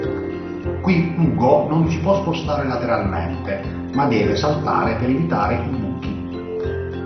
Qui Hugo non si può spostare lateralmente, ma deve saltare per evitare i buchi.